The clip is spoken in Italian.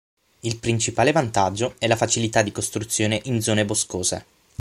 Il principale vantaggio è la facilità di costruzione in zone boscose.